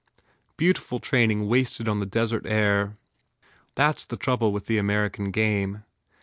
Beautiful training wasted on the desert air. That s the trouble with the American game.